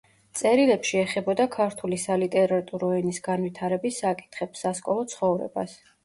წერილებში ეხებოდა ქართული სალიტერატურო ენის განვითარების საკითხებს, სასკოლო ცხოვრებას.